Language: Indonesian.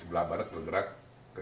mewan langsung saja